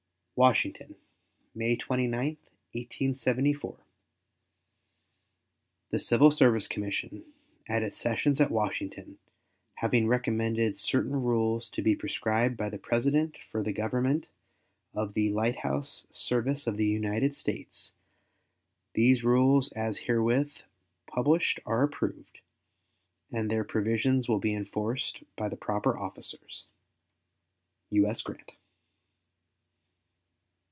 [Footnote 82: Addressed to the heads of the Executive Departments, etc.] WASHINGTON, May 29, 1874. The Civil Service Commission, at its sessions at Washington, having recommended certain rules to be prescribed by the President for the government of the Light House Service of the United States, these rules as herewith published are approved, and their provisions will be enforced by the proper officers. U.S. GRANT.